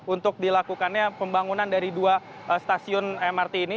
untuk dilakukannya pembangunan dari dua stasiun mrt ini